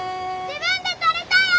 自分で取れたよ！